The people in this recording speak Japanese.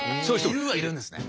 いるはいるんですね。